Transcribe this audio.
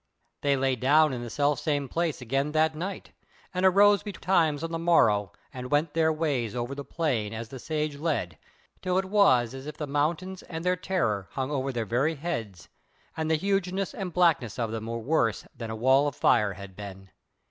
They lay down in the self same place again that night, and arose betimes on the morrow and went their ways over the plain as the Sage led, till it was as if the mountains and their terror hung over their very heads, and the hugeness and blackness of them were worse than a wall of fire had been.